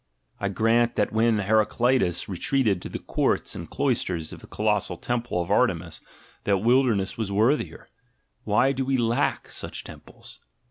I grant that when Heracleitus retreated to the courts and cloisters of the colossal temple of Artemis, that "wilderness" was worthier; why do we lack such temples?